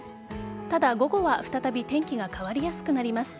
ただ、午後は再び天気が変わりやすくなります。